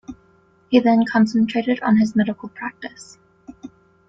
He then concentrated on his medical practice.